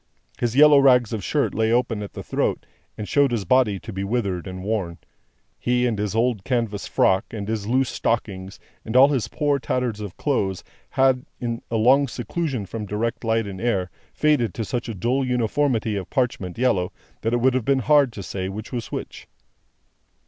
His yellow rags of shirt lay open at the throat, and showed his body to be withered and worn. He, and his old canvas frock, and his loose stockings, and all his poor tatters of clothes, had, in a long seclusion from direct light and air, faded down to such a dull uniformity of parchment yellow, that it would have been hard to say which was which.